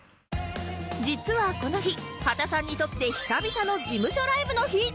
実はこの日波田さんにとって久々の事務所ライブの日！